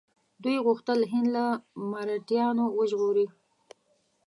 دوی غوښتل هند له مرهټیانو وژغوري.